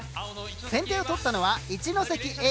先手をとったのは一関Ａ。